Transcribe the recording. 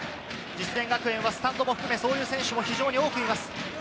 実践学園はスタンドも含め、そういう選手が非常に多くいます。